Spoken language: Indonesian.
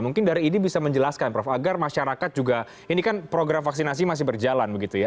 mungkin dari idi bisa menjelaskan prof agar masyarakat juga ini kan program vaksinasi masih berjalan begitu ya